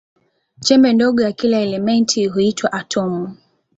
Chembe ndogo ya kila elementi huitwa atomu.